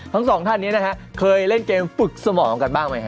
ทั้งสองท่านนี้นะฮะเคยเล่นเกมฝึกสมองกันบ้างไหมฮ